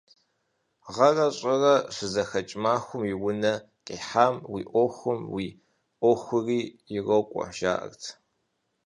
Гъэрэ щӀырэ щызэхэкӀ махуэм уи унэ къихьам и Ӏуэхум уи Ӏуэхури ирокӀуэ, жаӀэрт.